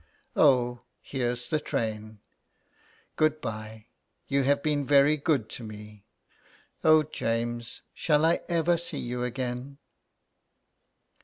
Oh! here's the train. Good bye; you have been very good to me. Oh, James ! shall I ever see you again